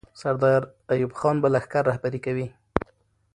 سردار ایوب خان به لښکر رهبري کوي.